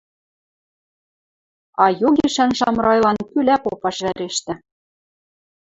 Айо гишӓн Шамрайлан пӱлӓ попаш вӓрештӹ.